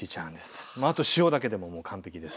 あと塩だけでもう完璧です。